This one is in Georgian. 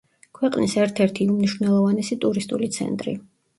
ქვეყნის ერთ-ერთი უმნიშვნელოვანესი ტურისტული ცენტრი.